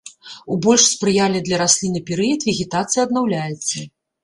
У больш спрыяльны для расліны перыяд вегетацыя аднаўляецца.